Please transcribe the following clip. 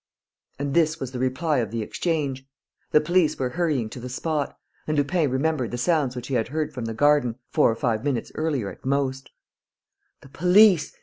And this was the reply of the exchange. The police were hurrying to the spot. And Lupin remembered the sounds which he had heard from the garden, four or five minutes earlier, at most: "The police!